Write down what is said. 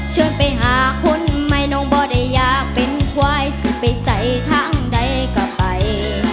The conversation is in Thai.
เชิญไปหาคนใหม่น้องบ่ได้อยากเป็นควายสิไปใส่ทางใดก็ไป